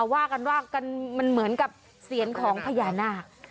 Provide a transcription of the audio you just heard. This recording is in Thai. ว่ากันว่ามันเหมือนกับเสียงของพญานาค